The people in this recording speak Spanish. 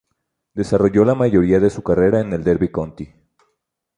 Desarrolló la mayoría de su carrera en el Derby County.